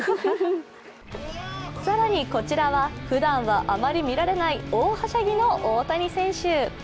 更に、こちらはふだんはあまり見られない大はしゃぎの大谷選手。